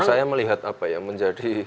karena saya lihat apa yang menjadi